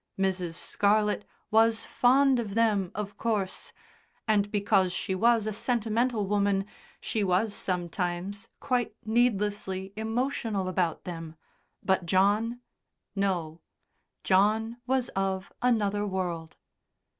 Mrs. Scarlett was fond of them, of course, and because she was a sentimental woman she was sometimes quite needlessly emotional about them, but John no. John was of another world.